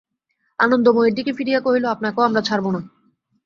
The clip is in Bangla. আনন্দময়ীর দিকে ফিরিয়া কহিল, আপনাকেও আমরা ছাড়ব না।